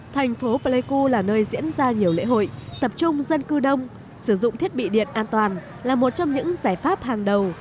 thành phố pleiku là nơi diễn ra nhiều lễ hội tập trung dân cư đông sử dụng thiết bị điện an toàn là một trong những giải pháp hàng đầu